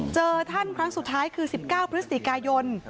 เจอท่านครั้งสุดท้ายคือ๑๙พฤศจิกายน